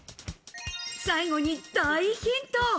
最後に大ヒント。